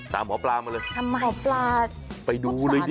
ตามหมอปลามาเลย